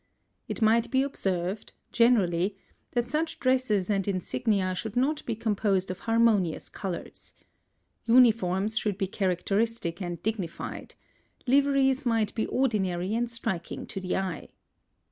It might be observed, generally, that such dresses and insignia should not be composed of harmonious colours. Uniforms should be characteristic and dignified; liveries might be ordinary and striking to the eye.